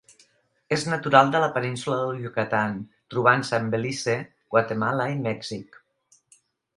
És natural de la península del Yucatán, trobant-se en Belize, Guatemala i Mèxic.